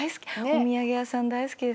お土産屋さん大好きです。